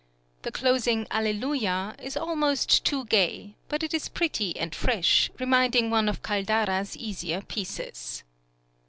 The closing "Alleluia" is almost too gay, but it is pretty and fresh, reminding one of Caldara's easier pieces.